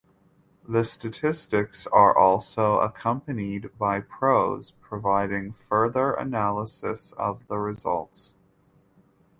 The statistics are also accompanied by prose providing further analysis of the results.